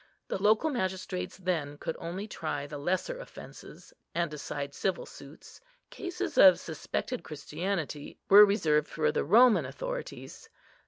The local magistrates then could only try the lesser offences, and decide civil suits; cases of suspected Christianity were reserved for the Roman authorities.